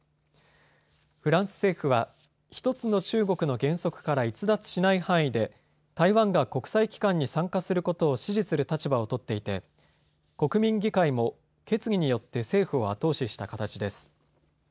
フランス政府は１つの中国の原則から逸脱しない範囲で台湾が国際機関に参加することを支持する立場を取っていて国民議会も決議によって政府を後押しした形です。